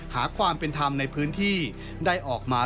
หาความเป็นธรรมในพื้นที่